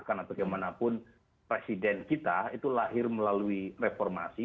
karena bagaimanapun presiden kita itu lahir melalui reformasi